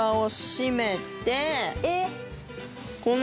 えっ。